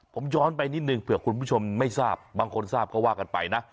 ผมย้อนไปนิดนึงเผื่อคุณผู้ชมไม่ทราบบางคนทราบก็ว่ากันไปนะ